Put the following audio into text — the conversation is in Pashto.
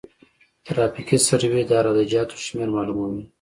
ترافیکي سروې د عراده جاتو شمېر معلوموي